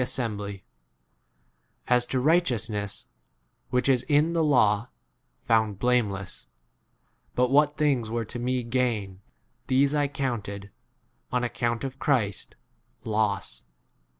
1 The bly ; as to righteousness which [is] in [the] law, found blame 7 less ; but what things were to me gain these I counted, on account 8 of Christ, loss.